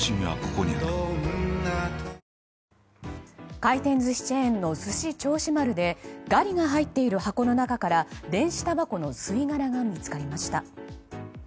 回転寿司チェーンのすし銚子丸でガリが入っている箱の中から電子たばこの吸い殻が見つかりました。